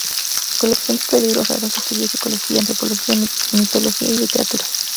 Coleccionista de libros raros, estudió psicología, antropología, mitología y literatura.